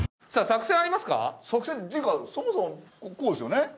作戦っていうかそもそもこうですよね。